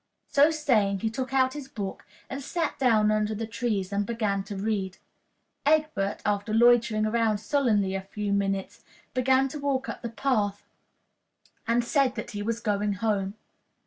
So saying, he took out his book and sat down under the trees and began to read. Egbert, after loitering about sullenly a few minutes, began to walk up the path, and said that he was going home.